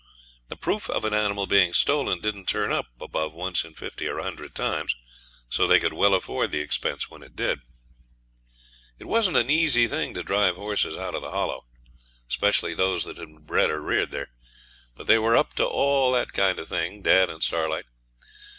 The proof of an animal being stolen didn't turn up above once in fifty or a hundred times, so they could well afford the expense when it did. It wasn't an easy thing to drive horses out of the Hollow, 'specially those that had been bred or reared there. But they were up to all that kind of thing, dad and Starlight.